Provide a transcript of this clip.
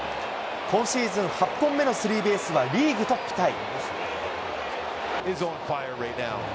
今シーズン８本目のスリーベースはリーグトップタイ。